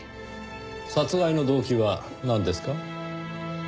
殺害の動機はなんですか？